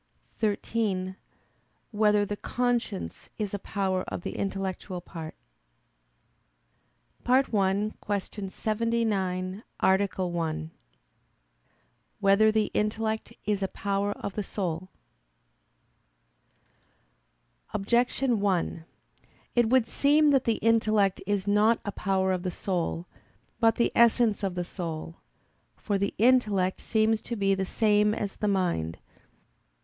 (13) Whether the conscience is a power of the intellectual part? _______________________ FIRST ARTICLE [I, Q. 79, Art. 1] Whether the Intellect Is a Power of the Soul? Objection 1: It would seem that the intellect is not a power of the soul, but the essence of the soul. For the intellect seems to be the same as the mind.